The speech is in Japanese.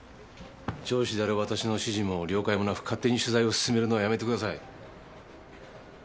上司である私の指示も了解もなく勝手に取材を進めるのはやめてください。